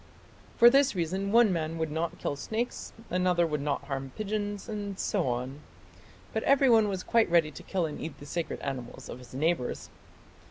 For this reason one man would not kill snakes, another would not harm pigeons, and so on; but everyone was quite ready to kill and eat the sacred animals of his neighbours."